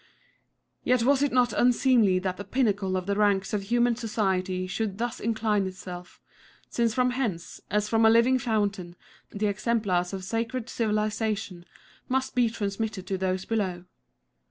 Yet was it not unseemly that the pinnacle of the ranks of human society should thus incline itself, since from hence, as from a living fountain, the exemplars of sacred civilization must be transmitted to those below.